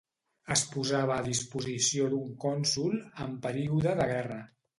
Es posava a disposició d'un cònsol en període de guerra.